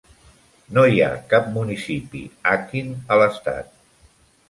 No hi ha cap municipi Akin a l'estat.